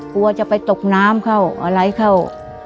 กลัวจะไปตกน้ำเข้าอะไรเข้า